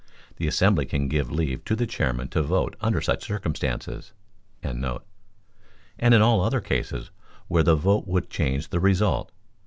The assembly can give leave to the chairman to vote under such circumstances.] and in all other cases where the vote would change the result.